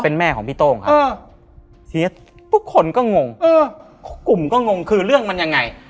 เป็นแม่ของพี่โต้งครับทุกคนก็งงเออกลุ่มก็งงคือเรื่องมันยังไง